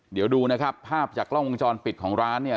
เดี๋ยวดูนะครับภาพจากกล้องวงจรปิดของร้านเนี่ย